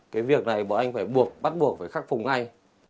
cái việc này bọn anh phải buộc bắt buộc phải khắc phục ngay